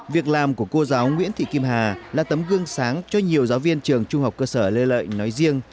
việc làm của cô giáo nguyễn thị kim hà là tấm gương sáng cho nhiều giáo viên trường trung học cơ sở lê lợi nói riêng